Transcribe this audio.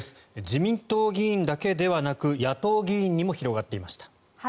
自民党議員だけではなく野党議員にも広がっていました。